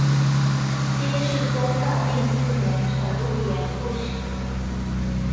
金世宗大定四年辰渌盐副使。